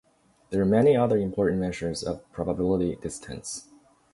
There are many other important measures of probability distance.